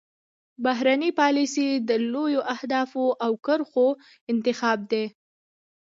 بهرنۍ پالیسي د لویو اهدافو او کرښو انتخاب دی